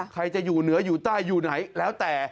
ใครจะอยู่เหนืออยู่ใต้อยู่ไหนแล้วแต่